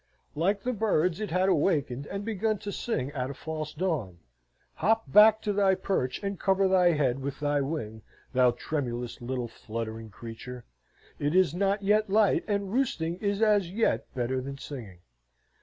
Like the birds, it had wakened and begun to sing at a false dawn. Hop back to thy perch, and cover thy head with thy wing, thou tremulous little fluttering creature! It is not yet light, and roosting is as yet better than singing.